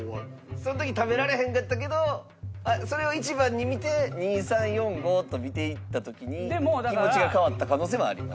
その時に食べられへんかったけどそれを１番に見て２３４５と見ていった時に気持ちが変わった可能性もあります。